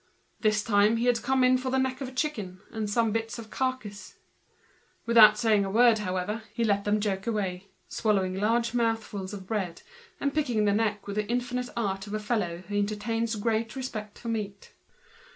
This time he had come in for the neck of a chicken and bits of the carcase. Without saying a word he let them joke away, swallowing large mouthfuls of bread, and picking the neck with the infinite art of a fellow who entertains a great respect for meat.